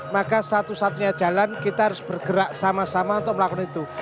maka satu satunya jalan kita harus bergerak sama sama untuk melakukan itu